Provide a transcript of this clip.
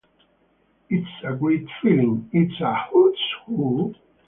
"It's a Great Feeling" is a "Who's Who?